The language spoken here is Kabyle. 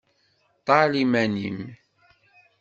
Ṭṭal iman-im.